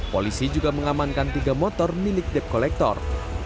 polisi juga mengamankan tiga motor milik debt collector